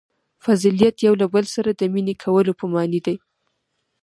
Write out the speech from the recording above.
• فضیلت له یوه بل سره د مینې کولو په معنیٰ دی.